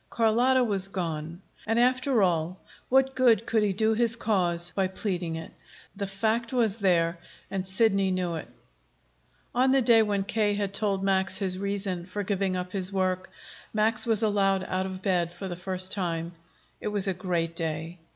Carlotta was gone. And, after all, what good could he do his cause by pleading it? The fact was there, and Sidney knew it. On the day when K. had told Max his reason for giving up his work, Max was allowed out of bed for the first time. It was a great day.